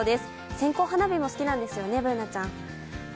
線香花火も好きなんですよね、Ｂｏｏｎａちゃん。